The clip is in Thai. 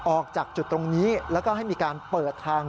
ออกจากจุดตรงนี้แล้วก็ให้มีการเปิดทาง